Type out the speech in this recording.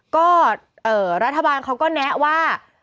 ก็รัฐบาลเขาก็แนะว่า